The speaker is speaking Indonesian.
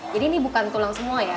jadi ini bukan tulang semua ya